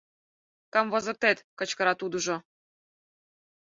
Камвозыктет, — кычкыра тудыжо.